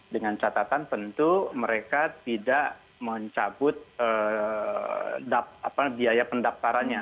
dengan catatan tentu mereka tidak mencabut biaya pendaftarannya